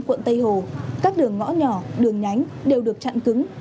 quận tây hồ các đường ngõ nhỏ đường nhánh đều được chặn cứng